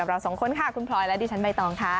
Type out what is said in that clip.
เราสองคนค่ะคุณพลอยและดิฉันใบตองค่ะ